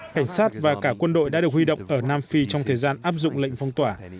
cảnh sát và cả quân đội đã được huy động ở nam phi trong thời gian áp dụng lệnh phong tỏa